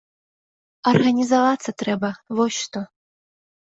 Арганізавацца трэба, вось што.